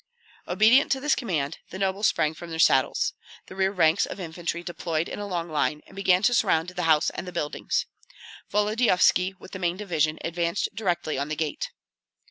Obedient to this command, the nobles sprang from their saddles. The rear ranks of infantry deployed in a long line, and began to surround the house and the buildings. Volodyovski with the main division advanced directly on the gate.